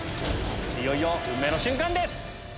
いよいよ運命の瞬間です！